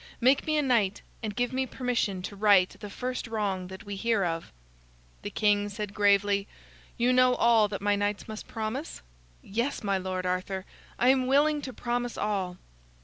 Make me a knight, and give me permission to right the first wrong that we hear of." The king said gravely: "You know all that my knights must promise?" "Yes, my lord Arthur. I am willing to promise all."